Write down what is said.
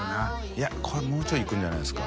いこれもうちょいいくんじゃないですか？